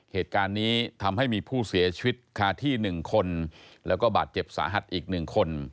เหตุการณ์นี้ทำให้มีผู้เสียชีวิตคาที่๑คนแล้วก็บาดเจ็บสาหัสอีก๑คน